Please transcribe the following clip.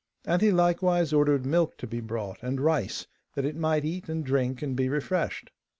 And he likewise ordered milk to be brought, and rice, that it might eat and drink and be refreshed.